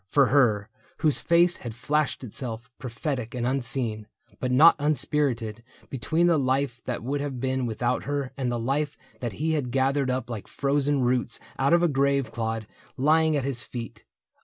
... For her whose face Had flashed itself, prophetic and unseen, But not unspirited, between the life That would have been without her and the life That he had gathered up like frozen roots Out of a grave clod lying at his feet.